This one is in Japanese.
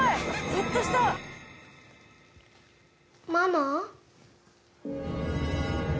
ママ？